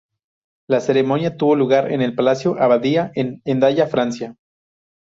La ceremonia tuvo lugar en el Palacio Abadía, en Hendaya, Francia.